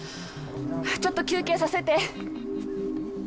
ちょっと休憩させて。